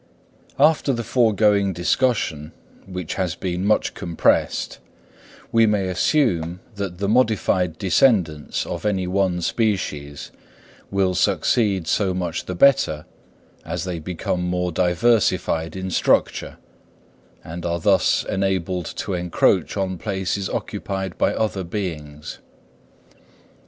_ After the foregoing discussion, which has been much compressed, we may assume that the modified descendants of any one species will succeed so much the better as they become more diversified in structure, and are thus enabled to encroach on places occupied by other beings.